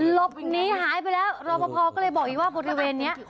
หลบนีหายไปแล้วรับพอพอก็เลยบอกว่าบริเวณนี้